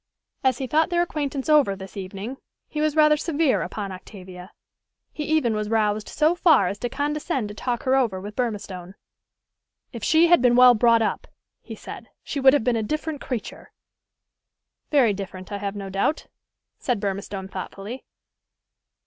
As he thought their acquaintance over, this evening, he was rather severe upon Octavia. He even was roused so far as to condescend to talk her over with Burmistone. "If she had been well brought up," he said, "she would have been a different creature." "Very different, I have no doubt," said Burmistone thoughtfully.